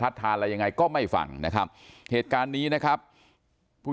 ทานอะไรยังไงก็ไม่ฟังนะครับเหตุการณ์นี้นะครับผู้